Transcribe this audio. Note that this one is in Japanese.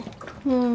うん。